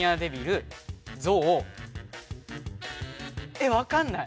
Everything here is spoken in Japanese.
えっ分かんない。